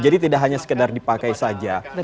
jadi tidak hanya sekedar dipakai saja